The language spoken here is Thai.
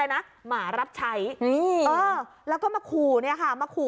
อะไรนะหมารับใช้นี่เออแล้วก็มาขู่เนี้ยค่ะมาขู่